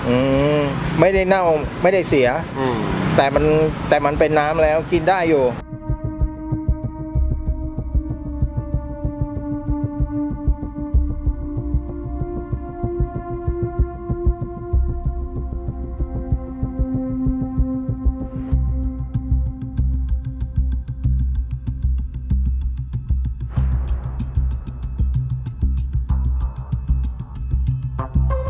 อืมไม่ได้เน่าไม่ได้เสียอืมแต่มันแต่มันเป็นน้ำแล้วกินได้อยู่ครับ